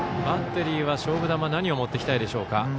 バッテリーは勝負球何を持ってきたいでしょうか。